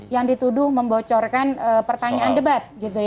yang dituduh membocorkan pertanyaan debat